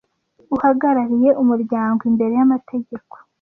Uhagarariye Umuryango imbere y amategeko